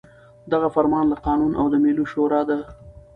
دغه فرمان له قانون او د ملي شـوري د